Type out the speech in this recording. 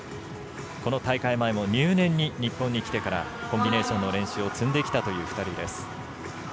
この大会前も入念に日本に来てからコンビネーションの練習を積んできたという２人です。